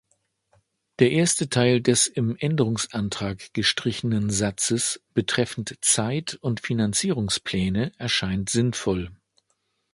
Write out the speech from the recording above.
Der erste Teil des im Änderungsantrag gestrichenen Satzes betreffend Zeit- und Finanzierungspläne erscheint sinnvoll.